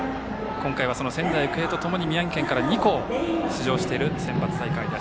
今回は仙台育英とともに宮城県から２校出場しているセンバツ大会。